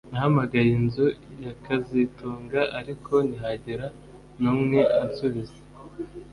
Nahamagaye inzu ya kazitunga ariko ntihagira numwe ansubiza